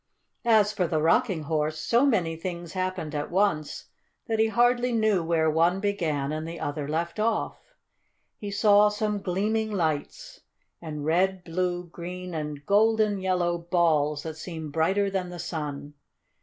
As for the Rocking Horse, so many things happened at once that he hardly knew where one began and the other left off. He saw some gleaming lights and red, blue, green and golden yellow balls that seemed brighter than the sun.